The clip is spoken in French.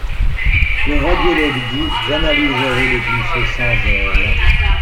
Le radiologue dit: j'analyserai les clichés sans zèle!